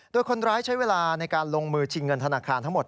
โดยคนร้ายใช้เวลาในการลงมือชิงเงินธนาคารทั้งหมด